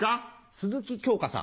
鈴木京香さん。